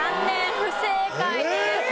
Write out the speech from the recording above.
不正解です。